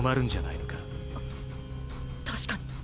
確かに！